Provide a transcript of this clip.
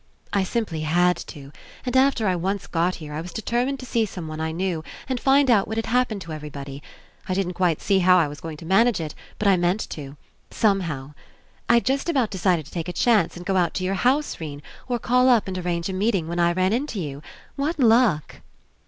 "I simply had to. And after I once got here, I was determined to see someone I knew ENCOUNTER and find out what had happened to everybody. I didn't quite see how I was going to manage It, but I meant to. Somehow. I'd just about decided to take a chance and go out to your house, 'Rene, or call up and arrange a meet ing, when I ran Into you. What luck!"